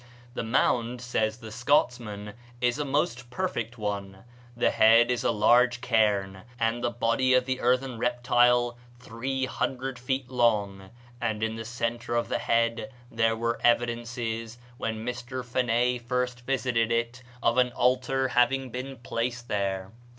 The mound, says the Scotsman, is a most perfect one. The head is a large cairn, and the body of the earthen reptile 300 feet long; and in the centre of the head there were evidences, when Mr. Phené first visited it, of an altar having been placed there.